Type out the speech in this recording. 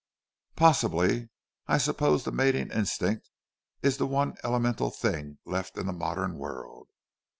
"Possibly! I suppose the mating instinct is the one elemental thing left in the modern world."